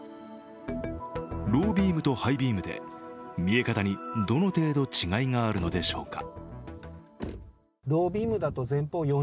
ロービームとハイビームで見え方にどの程度違いがあるのでしょうか。